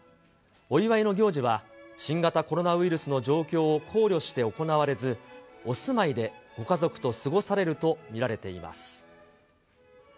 お祝いの行事は、新型コロナウイルスの状況を考慮して行われず、お住まいでご家族と過ごされると見られています。